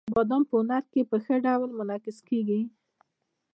افغانستان کې بادام په هنر کې په ښه ډول منعکس کېږي.